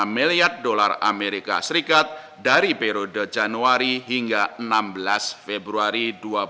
lima miliar dolar amerika serikat dari periode januari hingga enam belas februari dua ribu dua puluh